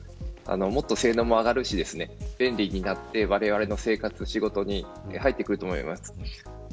もっと性能も上がるし便利になって、われわれの生活や仕事に入ってくると思います。